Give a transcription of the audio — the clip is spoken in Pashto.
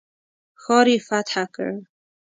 ښار یې فتح کړ.